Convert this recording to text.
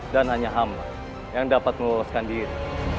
dan hanya hamba yang dapat meloloskan diri